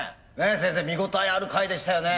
先生見応えある回でしたよね。